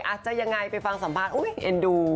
อาจจะยังไงไปฟังสัมภาษณ์เอ็นดู